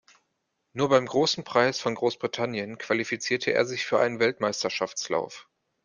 Nur beim Großen Preis von Großbritannien qualifizierte er sich für einen Weltmeisterschaftslauf.